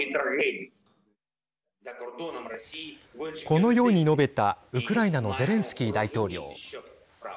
このように述べたウクライナのゼレンスキー大統領。